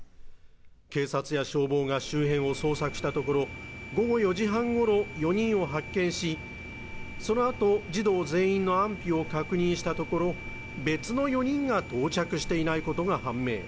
警察や消防が周辺を捜索したところ、午後４時半ごろ、４人を発見し、そのあと児童全員の安否を確認したところ別の４人が到着していないことが判明。